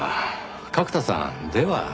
角田さんでは。